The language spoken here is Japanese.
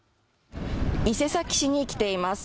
伊勢崎市に来ています。